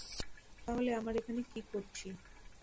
তাহলে আমরা এখানে কী করছি?